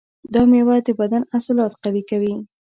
دا مېوه د بدن عضلات قوي کوي.